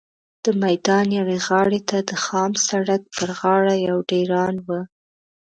د میدان یوې غاړې ته د خام سړک پر غاړه یو ډېران و.